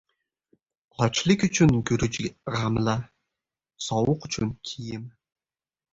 • Ochlik uchun guruch g‘amla, sovuq uchun — kiyim.